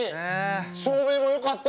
照明もよかった！